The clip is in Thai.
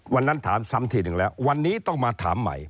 วันนั้นถามซ้ำทีหนึ่งแล้ววันนี้ต้องมาถามใหม่